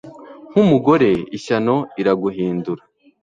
Nkumugore ishyano iraguhindura